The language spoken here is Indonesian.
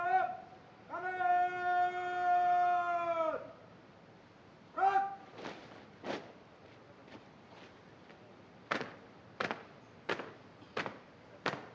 laporan komandan upacara kepada inspektur upacara